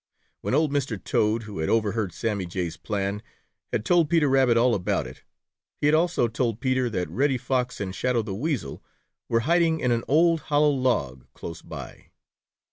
When old Mr. Toad, who had overheard Sammy Jay's plan, had told Peter Rabbit all about it, he had also told Peter that Reddy Fox and Shadow the Weasel were hiding in an old hollow log close by.